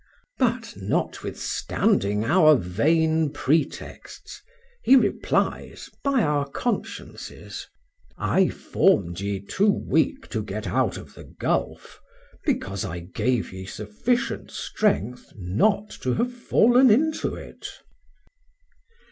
But, notwithstanding our vain pretexts, He replies, by our consciences, I formed ye too weak to get out of the gulf, because I gave ye sufficient strength not to have fallen into it.